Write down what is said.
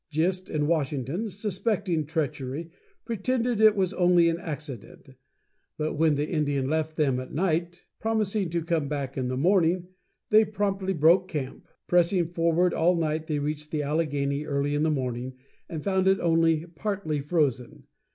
Gist and Washington, suspecting treachery, pretended it was only an accident; but when the Indian left them at night, promising to come back in the morning, they promptly broke camp. Pressing forward all night, they reached the Allegheny early in the morning, and found it only partly frozen.